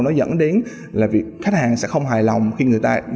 nó dẫn đến là việc khách hàng sẽ không hài lòng khi người ta